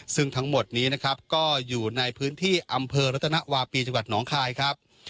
ซึ่งทั้งหมดนี้นะครับก็อยู่ในพื้นที่อำเภอรัตนวาปีจังหวัดหนองคายครับ